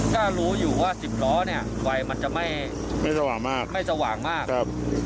ก็รู้อยู่ว่าสิบล้อเนี่ยไฟมันจะไม่สว่างมากไม่สว่างมากครับ